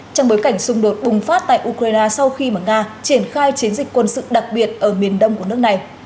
trong bối cảnh xung đột bùng phát tại ukraine sau khi nga triển khai chiến dịch quân sự đặc biệt ở miền đông của nước này